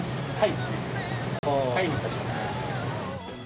はい。